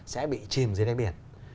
sẽ bị chìm dưới đáy biển